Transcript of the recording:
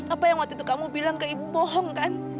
apa yang waktu itu kamu bilang ke ibu bohong kan